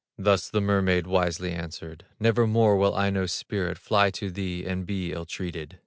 Thus the mermaid wisely answered: "Nevermore will Aino's spirit Fly to thee and be ill treated."